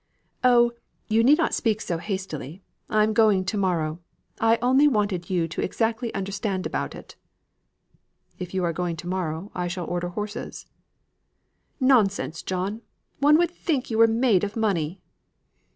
"Oh! you need not speak so hastily. I am going to morrow. I only wanted you exactly to understand about it." "If you are going to morrow, I shall order horses." "Nonsense, John. One would think you were made of money."